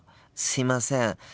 すいません。